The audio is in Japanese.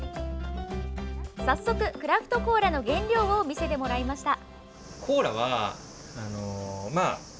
早速、クラフトコーラの原料を見せてもらいました。